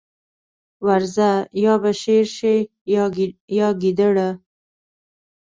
ورځه! يا به شېر شې يا ګيدړه.